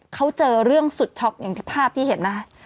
เขาเจอเรื่องสุดช็อกอย่างที่ภาพที่เห็นนะคะ